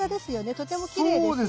とてもきれいですよね。